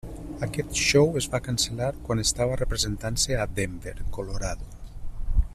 Aquest show es va cancel·lar quan estava representant-se a Denver, Colorado.